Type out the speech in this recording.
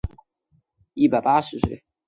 寿至一百一十八岁。